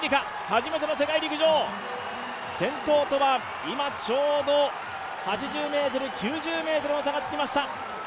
初めての世界陸上、先頭とはちょうど９０ｍの差がつきました。